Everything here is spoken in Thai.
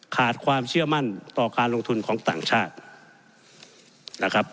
ขาดความเชื่อมั่นต่อการลงทุนของต่างชาตินะครับ